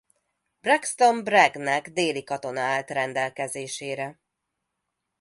Braxton Bragg-nek déli katona állt rendelkezésére.